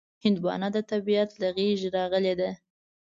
هندوانه د طبیعت له غېږې راغلې ده.